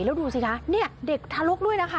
แล้วดูสิคะเด็กทะลุกด้วยนะคะ